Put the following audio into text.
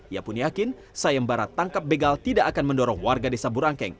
ia pun yakin sayembara tangkap begal tidak akan mendorong warga desa burangkeng